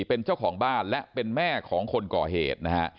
เป็นเจ้าของบ้านและเป็นแม่ของคนก่อเหตุนะฮะ